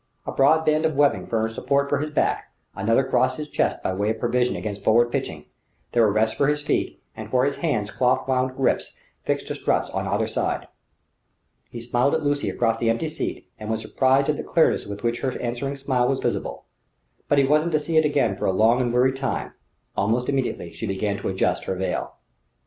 A broad band of webbing furnished support for his back; another crossed his chest by way of provision against forward pitching; there were rests for his feet, and for his hands cloth wound grips fixed to struts on either side. He smiled at Lucy across the empty seat, and was surprised at the clearness with which her answering smile was visible. But he wasn't to see it again for a long and weary time; almost immediately she began to adjust her veil.